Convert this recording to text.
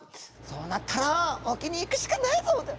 そうなったら沖に行くしかないぞ！」と。